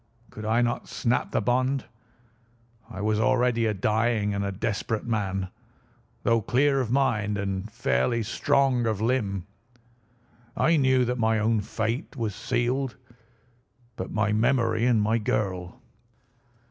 Could I not snap the bond? I was already a dying and a desperate man. Though clear of mind and fairly strong of limb, I knew that my own fate was sealed. But my memory and my girl!